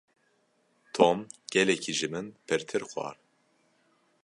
Tom gelekî ji min pirtir xwar.